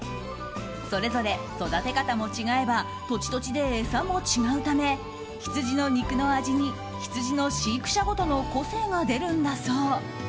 それぞれ育て方も違えば土地土地で餌も違うためヒツジの肉の味にヒツジの飼育者ごとの個性が出るんだそう。